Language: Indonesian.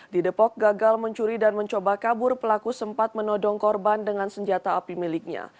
di depok gagal mencuri dan mencoba kabur pelaku sempat menodong korban dengan senjata api miliknya